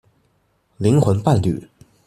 靈魂伴侶